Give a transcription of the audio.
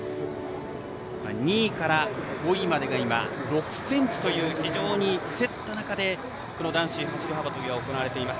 ２位から５位までが今６ｃｍという非常に競った中でこの男子走り幅跳びが行われています。